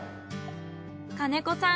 兼子さん